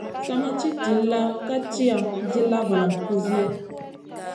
Sa ma ci dill ka tiya, dilla valam kusiya.